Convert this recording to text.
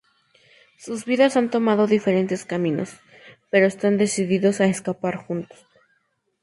Sus vidas han tomado diferentes caminos, pero están decididos a escapar juntos.